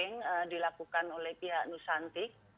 ini juga dilakukan oleh pihak nusantik